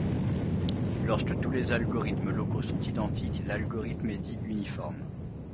Lorsque tous les algorithmes locaux sont identiques, l'algorithme est dit uniforme.